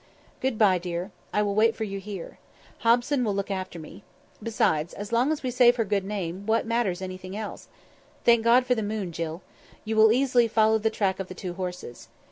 "Goodbye, dear. I will wait for you here. Hobson will look after me. Besides, as long as we save her good name, what matters anything else? Thank God for the moon, Jill. You will easily follow the track of the two horses.